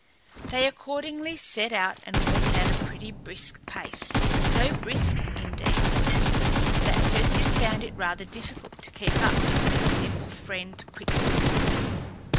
They accordingly set out and walked at a pretty brisk pace; so brisk, indeed, that Perseus found it rather difficult to keep up with his nimble friend Quicksilver.